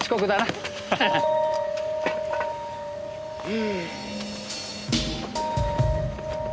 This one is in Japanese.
うん。